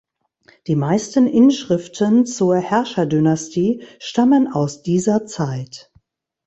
Die meisten Inschriften zur Herrscherdynastie stammen aus dieser Zeit.